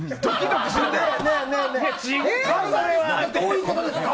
どういうことですか？